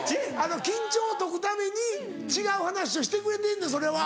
緊張を解くために違う話をしてくれてんねんそれは。